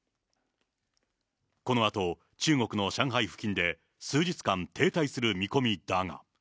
このあと、中国の上海付近で数日間停滞する見込みだが。